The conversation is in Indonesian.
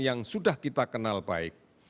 yang sudah kita kenal baik